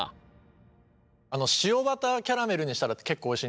塩バターキャラメルにしたら結構おいしい。